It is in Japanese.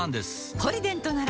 ポリデントなら